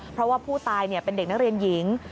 เพราะว่าผู้ตายเป็นเด็กนักเรียนหญิง